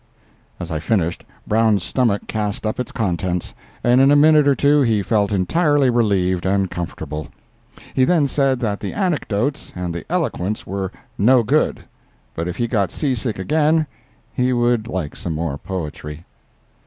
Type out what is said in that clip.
As I finished, Brown's stomach cast up its contents, and in a minute or two he felt entirely relieved and comfortable. He then said that the anecdotes and the eloquence were "no good," but if he got seasick again he would like some more poetry.